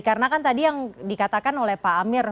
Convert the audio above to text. karena kan tadi yang dikatakan oleh pak amir